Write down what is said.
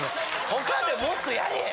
他でもっとやれや。